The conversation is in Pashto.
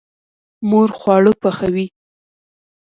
مور خواړه پخوي.